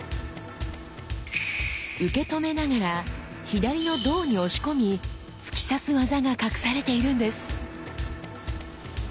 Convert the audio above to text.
受け止めながら左の胴に押し込み突き刺す技が隠されているんです！